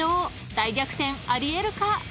［大逆転あり得るか⁉］